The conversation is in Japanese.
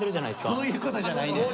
そういうことじゃないねん。